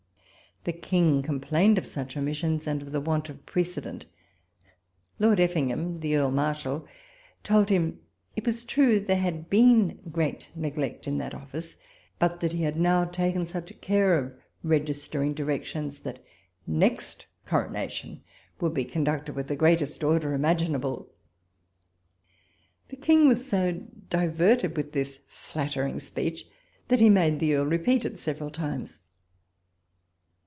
The King com plained of such omissions and of the want of pre cedent ; Lord Effingham, the Earl Marshal, told him, it was true there had been great neglect in that office, but he had now taken such care of registering directions, that npxt coronafion would be conducted with the greatest order imagin able. The King was so diverted with this fiatterinrj speech that he made the earl repeat it several times.